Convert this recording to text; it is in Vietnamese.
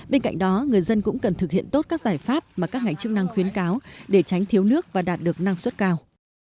bên cạnh đó người dân cũng cần thực hiện tốt các giải pháp mà các ngành chức năng khuyến cáo để tránh thiếu nước và đạt được năng suất cao